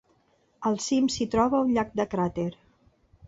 Al cim s'hi troba un llac de cràter.